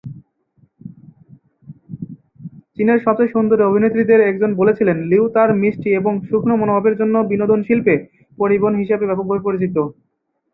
চীনের সবচেয়ে সুন্দরী অভিনেত্রীদের একজন বলেছিলেন, লিউ তার মিষ্টি এবং সূক্ষ্ম মনোভাবের জন্য বিনোদন শিল্পে "পরী বোন" হিসেবে ব্যাপকভাবে পরিচিত।